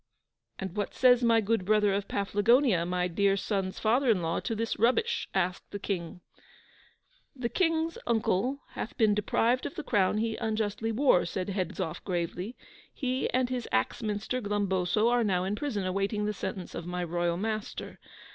'And what says my good brother of Paflagonia, my dear son's father in law, to this rubbish?' asked the King. 'The King's uncle hath been deprived of the crown he unjustly wore,' said Hedzoff gravely. 'He and his axminister, Glumboso, are now in prison waiting the sentence of my royal master.